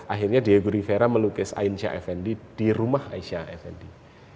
akhirnya diego rivera melukis ainsyah effendi di rumah ainsyah effendi